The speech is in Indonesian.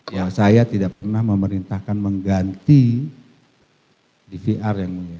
ya saya tidak pernah memerintahkan mengganti dvr yang mulia